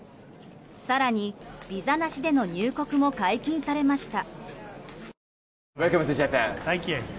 更に、ビザなしでの入国も解禁されました。